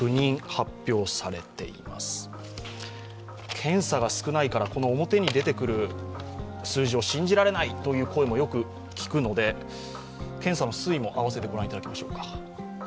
検査が少ないから、表に出てくる数字を信じられないという声もよく聞くので検査の推移もあわせて御覧いただきます。